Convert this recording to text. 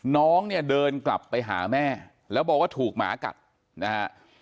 น้องเนี่ยเดินกลับไปหาแม่แล้วบอกว่าถูกหมากัดนะฮะ